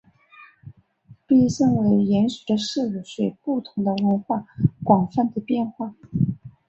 被认为严肃的事物随不同的文化广泛地变化。